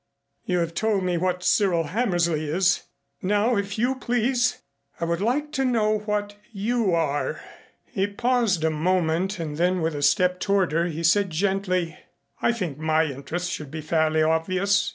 "You have told me what Cyril Hammersley is. Now if you please I would like to know what you are!" He paused a moment and then with a step toward her said gently: "I think my interests should be fairly obvious.